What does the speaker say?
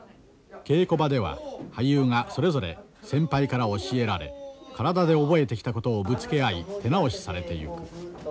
稽古場では俳優がそれぞれ先輩から教えられ体で覚えてきたことをぶつけ合い手直しされていく。